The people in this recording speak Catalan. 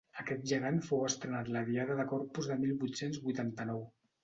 Aquest Gegant fou estrenat la diada de Corpus de mil vuit-cents vuitanta-nou.